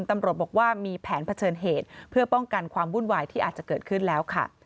มีแผนเผชิญเหตุเพื่อป้องกันความบุ่นวายที่อาจจะเกิดขึ้นแล้ว